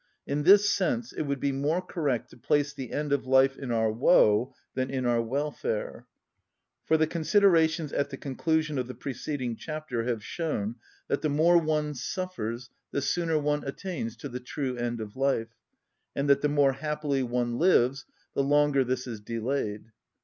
In this sense, it would be more correct to place the end of life in our woe than in our welfare. For the considerations at the conclusion of the preceding chapter have shown that the more one suffers the sooner one attains to the true end of life, and that the more happily one lives the longer this is delayed.